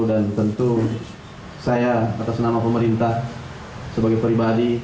dan tentu saya atas nama pemerintah sebagai pribadi